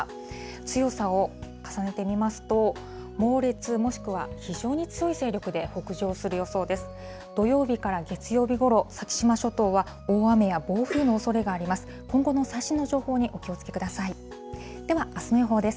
強さを重ねてみますと、猛烈、もしくは非常に強い勢力で北上する予想です。